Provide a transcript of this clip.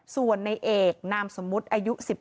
ส่วนในเอกนามสมมุติอายุ๑๗